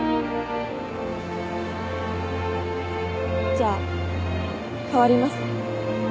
じゃあ代わります。